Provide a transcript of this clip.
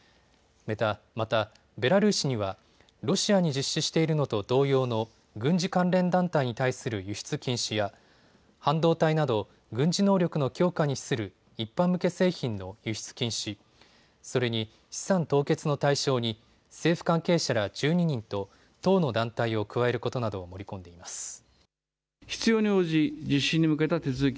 また、ベラルーシにはロシアに実施しているのと同様の軍事関連団体に対する輸出禁止や半導体など軍事能力の強化に資する一般向け製品の輸出禁止、それに資産凍結の対象に政府関係者ら１２人と１０の団体を加えることなどを盛り込んでいます。